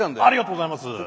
ありがとうございます。